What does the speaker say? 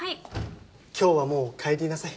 今日はもう帰りなさい。